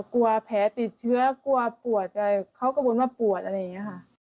กลัวแผลติดเชื้อกลัวปวดอะไรเขาก็กังวลว่าปวดอะไรอย่างนี้ค่ะ